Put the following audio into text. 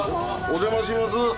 お邪魔します！